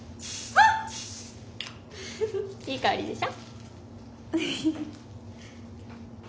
いい香りでしょ。